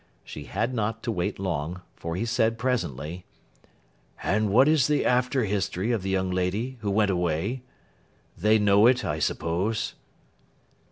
She had not to wait long; for he said, presently: 'And what is the after history of the young lady who went away? They know it, I suppose?